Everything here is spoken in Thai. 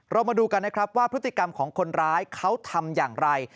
เรามาดูกันนะครับว่าพฤติกรรมของคนร้ายเขาทำอย่างไร